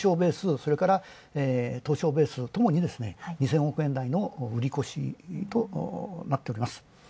それから東証ベースともに２０００億円台の売りこしとなっています。